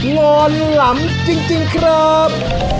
งอนหลำจริงครับ